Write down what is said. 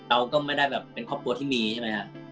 เราก็ไม่ได้แบบเป็นครอบครัวที่มีใช่ไหมฮะ